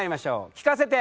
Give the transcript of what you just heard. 聞かせて！